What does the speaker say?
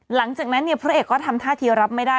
หลังจากนั้นเนี่ยพระเอกก็ทำท่าทีรับไม่ได้